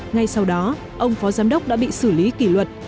ngay sau đó ông phó giám đốc đã bị xử lý kỷ luật